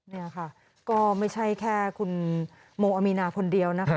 นี่ค่ะก็ไม่ใช่แค่คุณโมอามีนาคนเดียวนะคะ